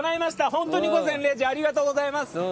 本当に「午前０時」ありがとうございます。